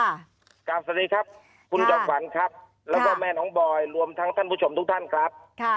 สวัสดีครับคุณจอมขวัญครับแล้วก็แม่น้องบอยรวมทั้งท่านผู้ชมทุกท่านครับ